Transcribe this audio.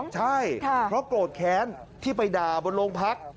ใช่เพราะโกรธแค้นที่ไปด่าบนโรงพัก